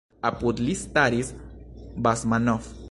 Apud li staris Basmanov.